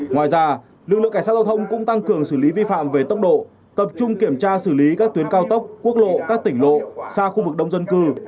ngoài ra lực lượng cảnh sát giao thông cũng tăng cường xử lý vi phạm về tốc độ tập trung kiểm tra xử lý các tuyến cao tốc quốc lộ các tỉnh lộ xa khu vực đông dân cư